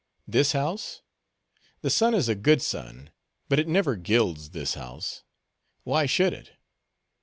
"This house? The sun is a good sun, but it never gilds this house. Why should it?